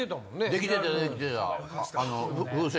できてたできてた。